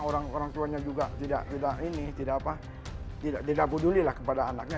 orang orang tuanya juga tidak peduli lah kepada anaknya